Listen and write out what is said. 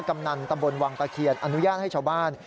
กำนันตำบลวังตะเคียนอนุญาตให้ชาวบ้าน